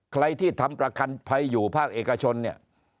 ใครที่ทำประกันภัยอยู่ภาคเอกชนเนี่ย